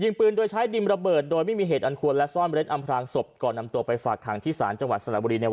ยิงปืนโดยใช้ดินระเบิดโดยไม่มีเหตุอันคลวงและซ่อนอย่างอำพรางสบ